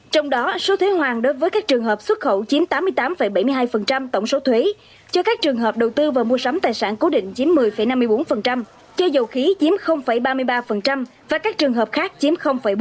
trong đó số thuế hoàn đối với các trường hợp xuất khẩu chiếm tám mươi tám bảy mươi hai tổng số thuế cho các trường hợp đầu tư vào mua sắm tài sản cố định chiếm một mươi năm mươi bốn cho dầu khí chiếm ba mươi ba và các trường hợp khác chiếm bốn mươi bốn